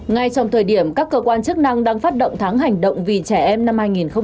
ngay trong thời điểm các cơ quan chức năng đang phát động tháng hành động vì trẻ em năm hai nghìn hai mươi